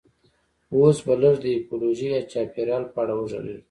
اوس به لږ د ایکولوژي یا چاپیریال په اړه وغږیږو